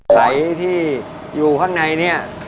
ไข่ที่อยู่ข้างในนี้